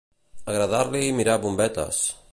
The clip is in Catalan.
Agradar-li mirar bombetes.